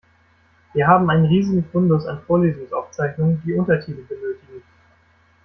Wir haben einen riesigen Fundus an Vorlesungsaufzeichnungen, die Untertitel benötigen.